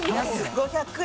５００円。